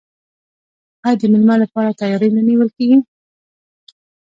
آیا د میلمه لپاره تیاری نه نیول کیږي؟